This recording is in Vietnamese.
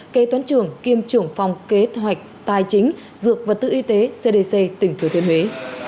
kế toán trưởng kiêm trưởng phòng kế hoạch tài chính dược và tự y tế cdc tỉnh thừa thiên huế